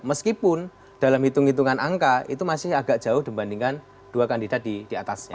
meskipun dalam hitung hitungan angka itu masih agak jauh dibandingkan dua kandidat di atasnya